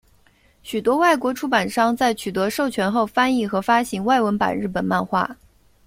许多外国出版商在取得授权后翻译和发行外文版日本漫画。